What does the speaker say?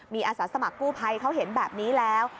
มีอาสาสมัครกู้ภัยเขาเห็นแบบนี้แล้ว